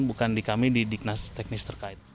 bukan di kami di dignitas teknis tandung